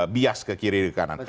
bias ke kiri ke kanan